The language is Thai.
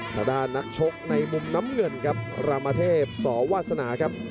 ทางด้านนักชกในมุมน้ำเงินครับรามเทพสวาสนาครับ